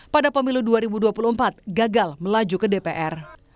pada pemilu dua ribu dua puluh empat gagal melaju ke dpr